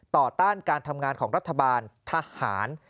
ต้านการทำงานของรัฐบาลทหาร